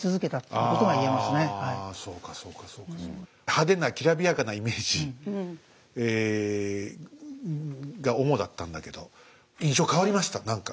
派手なきらびやかなイメージが主だったんだけど印象変わりました何か。